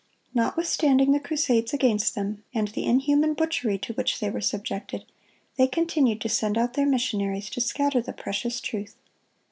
Notwithstanding the crusades against them, and the inhuman butchery to which they were subjected, they continued to send out their missionaries to scatter the precious truth.